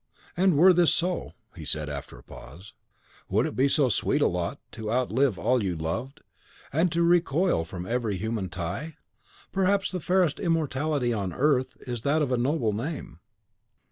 "And were this so," he said, after a pause, "would it be so sweet a lot to outlive all you loved, and to recoil from every human tie? Perhaps the fairest immortality on earth is that of a noble name."